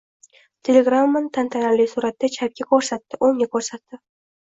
Telegrammani tantanali suratda chapga ko‘rsatdi, o‘ngga ko‘rsatdi.